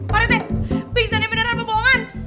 pak rt pingsannya beneran apa bohongan